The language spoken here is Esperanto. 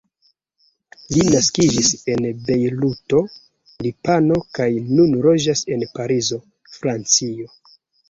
Li naskiĝis en Bejruto, Libano, kaj nun loĝas en Parizo, Francio.